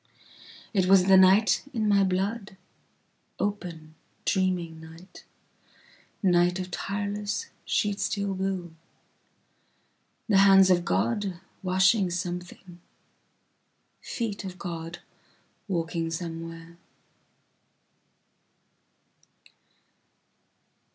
It was the night in my blood:open dreaming night, night of tireless sheet steel blue:The hands of God washing something, feet of God walking somewhere.